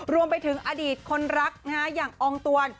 รวมไปถึงอดีตคนรักอย่างอองตวน